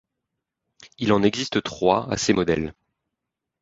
Il en existe trois à ces modèles.